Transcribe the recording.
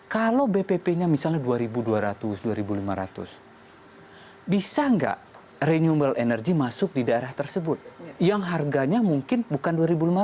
kalau bpp nya misalnya rp dua dua ratus dua lima ratus bisa nggak renewable energy masuk di daerah tersebut yang harganya mungkin bukan dua lima ratus